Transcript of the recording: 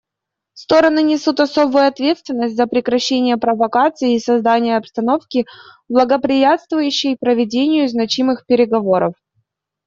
Стороны несут особую ответственность за прекращение провокаций и создание обстановки, благоприятствующей проведению значимых переговоров.